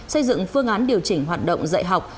xây dựng phương án điều chỉnh hoạt động dạy học